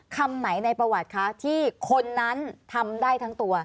คำไหนในประวัติคะที่คนนั้นทำได้ทั้งตัว